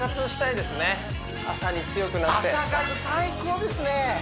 朝に強くなって朝活最高ですね！